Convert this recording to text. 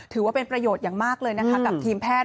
ถือว่าเป็นประโยชน์อย่างมากเลยนะคะกับทีมแพทย์